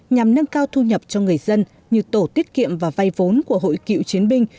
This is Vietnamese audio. nhằm nâng cao thu nhập cho người dân như tổ tiết kiệm và vay vốn của hội cựu chiến binh